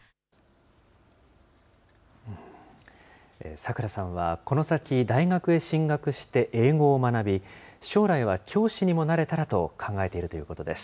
咲来さんはこの先、大学へ進学して英語を学び、将来は教師にもなれたらと考えているということです。